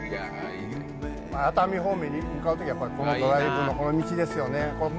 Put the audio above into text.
熱海方面に向かうときは、ドライブにいい道ですよね。